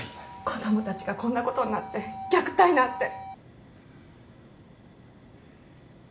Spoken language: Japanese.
子供たちがこんなことになって虐待なんて。